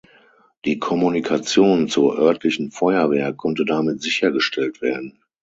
Die Kommunikation zur örtlichen Feuerwehr konnte damit sichergestellt werden.